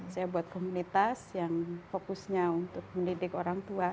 saya buat komunitas yang fokusnya untuk mendidik orang tua